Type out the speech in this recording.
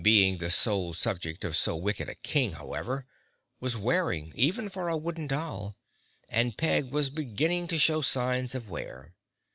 Being the sole subject of so wicked a King, however, was wearing even for a wooden doll, and Peg was beginning to show signs of wear.